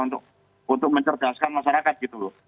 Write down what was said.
untuk mencerdaskan masyarakat gitu loh